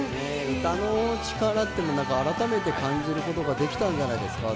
歌の力っていうのを改めて感じることができたんじゃないですか。